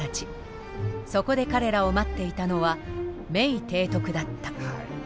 そこで彼らを待っていたのはメイ提督だった。